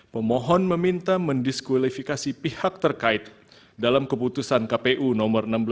pemohon meminta mendiskualifikasi pihak terkait dalam keputusan kpu no seribu enam ratus tiga puluh dua